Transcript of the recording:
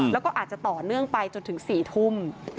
แล้วก็อาจจะต่อเนื่องไปจนถึง๔ทุ่ม